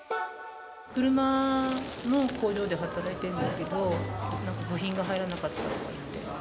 車の工場で働いてるんですけど、なんか部品が入らなかったって。